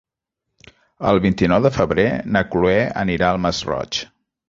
El vint-i-nou de febrer na Cloè anirà al Masroig.